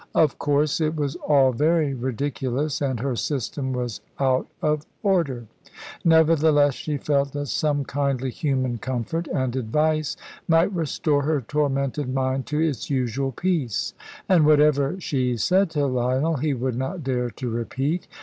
Of course, it was all very ridiculous, and her system was out of order. Nevertheless, she felt that some kindly human comfort and advice might restore her tormented mind to its usual peace. And whatever she said to Lionel, he would not dare to repeat.